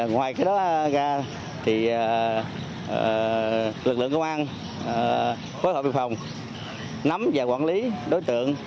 ngoài cái đó ra thì lực lượng công an bộ đội biên phòng nắm và quản lý đối tượng